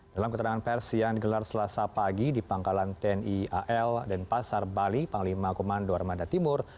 dalam keterangan pers yang digelar selasa pagi di pangkalan tni al dan pasar bali panglima komando armada timur